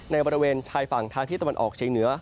บริเวณชายฝั่งทางที่ตะวันออกเชียงเหนือ